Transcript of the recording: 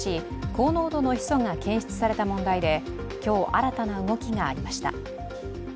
高濃度のヒ素が検出された問題で今日新たな動きがありました。